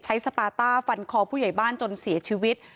สปาต้าฟันคอผู้ใหญ่บ้านจนเสียชีวิต